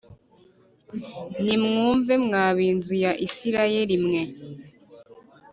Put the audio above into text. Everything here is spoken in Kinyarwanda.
Nimwumve mwa b’inzu ya Isirayeli mwe